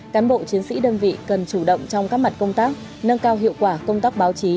cán bộ chiến sĩ đơn vị cần chủ động trong các mặt công tác nâng cao hiệu quả công tác báo chí